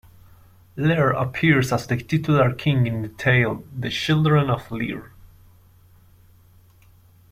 Ler appears as the titular king in the tale "The Children of Lir".